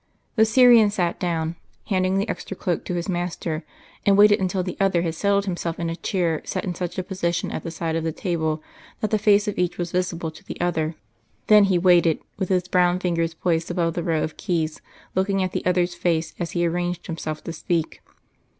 The Syrian sat down, handing the extra cloak to his master, and waited until the other had settled Himself in a chair set in such a position at the side of the table that the face of each was visible to the other. Then he waited, with his brown fingers poised above the row of keys, looking at the other's face as He arranged himself to speak.